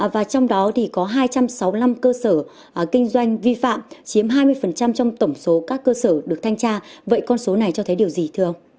và trong đó có hai trăm sáu mươi năm cơ sở kinh doanh vi phạm chiếm hai mươi trong tổng số các cơ sở được thanh tra vậy con số này cho thấy điều gì thưa ông